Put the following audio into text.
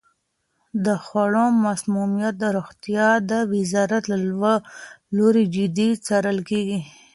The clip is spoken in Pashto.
د خوړو مسمومیت د روغتیا د وزارت له لوري جدي څارل کیږي.